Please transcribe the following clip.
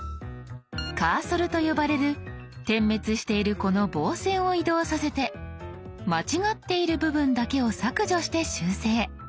カーソルと呼ばれる点滅しているこの棒線を移動させて間違っている部分だけを削除して修正。